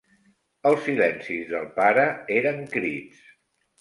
Els silencis del pare eren crits.